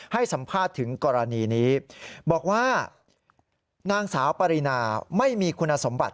ให้สัมภาษณ์ถึงกรณีนี้บอกว่านางสาวปรินาไม่มีคุณสมบัติ